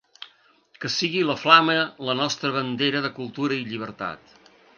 Que sigui la flama la nostra bandera de cultura i llibertat.